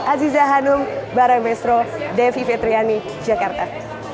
aziza hanum barang mestro devi vetriani jakarta